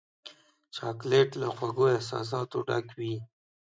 چاکلېټ له خوږو احساساتو ډک وي.